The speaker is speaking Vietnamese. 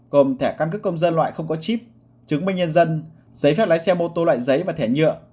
gồm thẻ căn cước công dân loại không có chip chứng minh nhân dân giấy phép lái xe mô tô loại giấy và thẻ nhựa